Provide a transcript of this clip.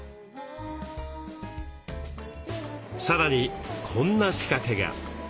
さらにこんな仕掛けが。